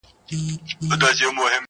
o روح مي خبري وکړې روح مي په سندرو ويل.